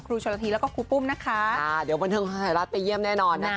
ครับขอบคุณทุกคนเป็นหัวนะ